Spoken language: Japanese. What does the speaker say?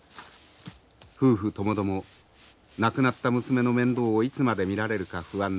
夫婦ともども亡くなった娘の面倒をいつまで見られるか不安です。